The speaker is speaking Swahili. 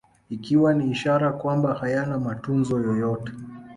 Ikiwa ni ishara kwamba hayana matunzo yoyote